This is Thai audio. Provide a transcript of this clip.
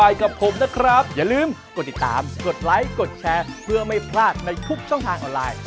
อย่าลืมติดตามครับวันนี้ลาไปก่อน